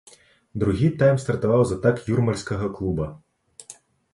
Другі тайм стартаваў з атак юрмальскага клуба.